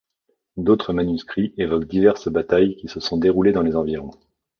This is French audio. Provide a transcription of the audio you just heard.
D'autres manuscrits évoquent diverses batailles qui se sont déroulées dans les environs.